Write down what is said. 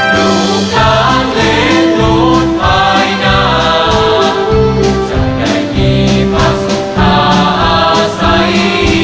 ลูกตาเล่นหลุดภายนาจะได้มีภาพสุทธาใส